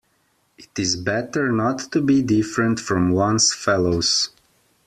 It is better not to be different from one's fellows.